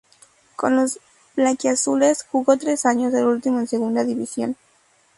Con los blanquiazules jugó tres años, el último en segunda división.